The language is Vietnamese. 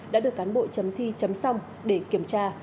đã được cán bộ chấm thi chấm xong để kiểm tra